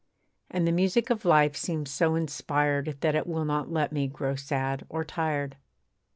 And the music of life seems so inspired That it will not let me grow sad or tired.